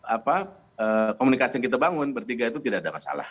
apa komunikasi yang kita bangun bertiga itu tidak ada masalah